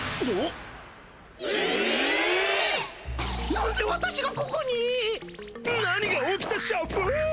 何で私がここにー？何が起きたシャフぅ！？